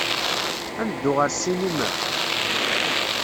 Ad neddu ɣer ssinima?